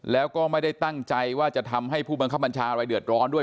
แล้วก็ไม่ได้ตั้งใจว่าจะทำให้ผู้บังคับบัญชาอะไรเดือดร้อนด้วย